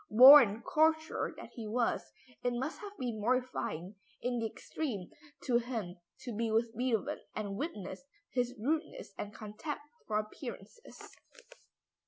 Born courtier that he was, it must have been mortifying in the extreme to him to be with Beethoven and witness his rudeness and contempt for appearances.